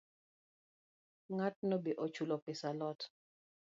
Ng’atno be ochulo pesa a lot?